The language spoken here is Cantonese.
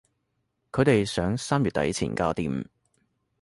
佢哋想三月底前搞掂